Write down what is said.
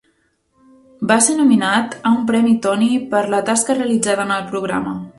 Va ser nominat a un premi Tony per la tasca realitzada en el programa.